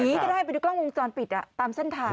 ก็ได้ไปดูกล้องวงจรปิดตามเส้นทาง